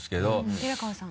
寺川さん。